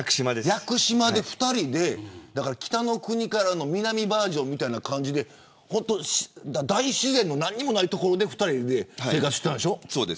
屋久島で２人で北の国からの南バージョンみたいな感じで大自然の何もない所で２人で生活していたんでしょ。